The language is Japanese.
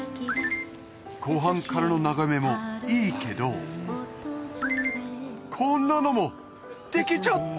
湖畔からの眺めもいいけどこんなのもできちゃった